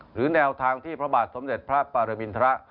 หรือแนวทางที่พระบาทสมเด็จพระปรมินทร